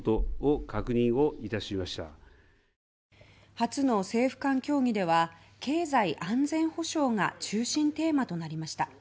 初の政府間協議では経済安全保障が中心テーマとなりました。